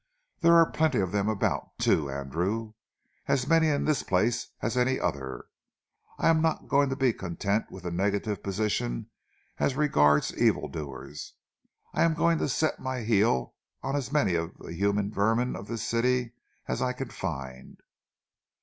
There are plenty of them about, too, Andrew as many in this place as any other. I am not going to be content with a negative position as regards evildoers. I am going to set my heel on as many of the human vermin of this city as I can find."